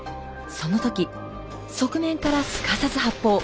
その時側面からすかさず発砲。